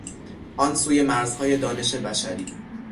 آن سوی مرزهای دانش بشری